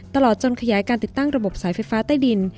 ตลอดจนขยายการติดตั้งระบบสายไฟฟ้าใต้ดิน